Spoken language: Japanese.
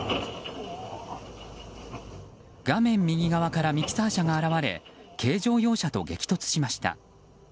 画面右側からミキサー車が現れ軽乗用車と激突しました。